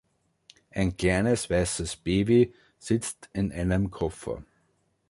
Ein kleines weißes Baby sitzt in einem Koffer.